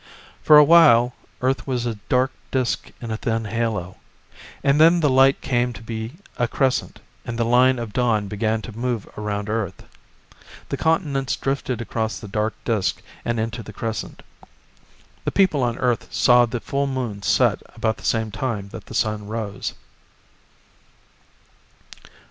For a while Earth was a dark disk in a thin halo, and then the light came to be a crescent, and the line of dawn began to move around Earth. The continents drifted across the dark disk and into the crescent. The people on Earth saw the full moon set about the same time that the sun rose.